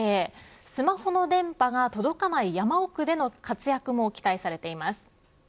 スマホの電波が届かない山奥での活躍も期待されています。